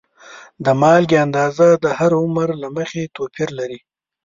د مالګې اندازه د هر عمر له مخې توپیر لري.